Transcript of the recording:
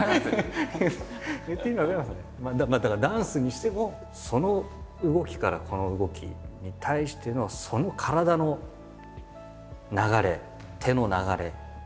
だからダンスにしてもその動きからこの動きに対してのその体の流れ手の流れ